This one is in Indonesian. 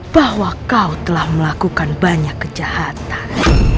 bahwa kau telah melakukan banyak kejahatan